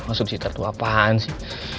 masuk cid itu apaan sih